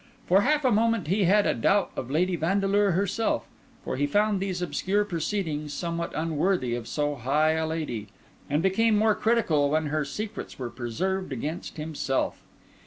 For half a moment he had a doubt of Lady Vandeleur herself; for he found these obscure proceedings somewhat unworthy of so high a lady, and became more critical when her secrets were preserved against himself.